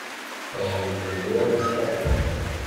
Ayen i tenwiḍ ad t-tafeḍ.